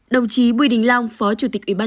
đồng chí bùi đình long phó chủ tịch ubnd